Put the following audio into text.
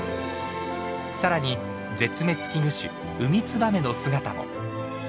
さらに絶滅危惧種ウミツバメの姿も。